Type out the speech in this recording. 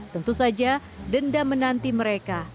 tentu saja dendam menanti mereka